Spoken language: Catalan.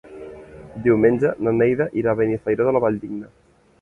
Diumenge na Neida irà a Benifairó de la Valldigna.